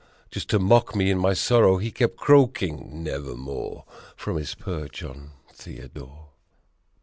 Just to mock me in my sorrow he kept croaking "Nevermore !" From his perch on Theodore.